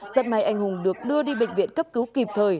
rất may anh hùng được đưa đi bệnh viện cấp cứu kịp thời